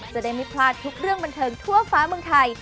จะได้ไม่พลาดทุกเรื่องบันเทิงทั่วฟ้าเมืองไทย